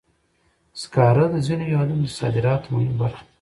سکاره د ځینو هېوادونو د صادراتو مهمه برخه ده.